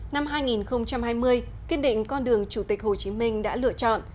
năm hai nghìn hai mươi kiên định con đường chủ tịch hồ chí minh đã lựa chọn